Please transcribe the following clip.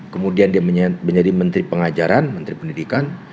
kemudian dia menjadi menteri pengajaran menteri pendidikan